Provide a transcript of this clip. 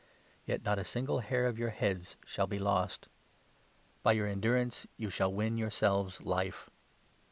Yet 18 not a single hair of your heads shall be lost ! By your 19 endurance you shall win yourselves Life.